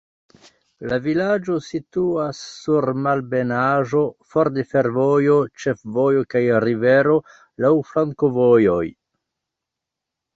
La vilaĝo situas sur malebenaĵo, for de fervojo, ĉefvojo kaj rivero, laŭ flankovojoj.